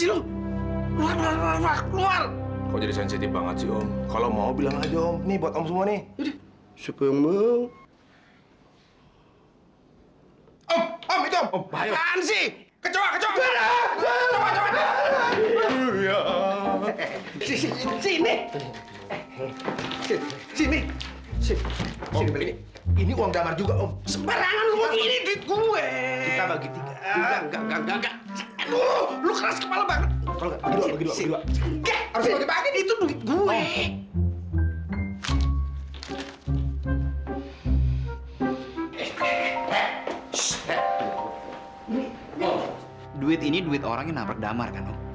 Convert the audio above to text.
iya iya sebentar lagi aku pulang kok